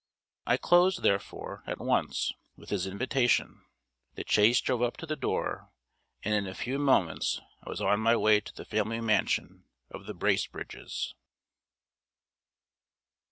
I closed, therefore, at once with his invitation: the chaise drove up to the door; and in a few moments I was on my way to the family mansion of the Bracebridges.